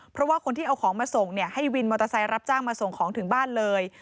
เพราะว่าคนที่เอาของมาส่งให้วินมอเตอร์ไซค์รับจ้างมาส่งของถึงบ้านเลย